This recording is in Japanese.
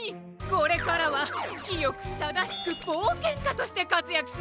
これからはきよくただしくぼうけんかとしてかつやくするわ！